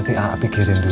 nanti a'a pikirin dulu ya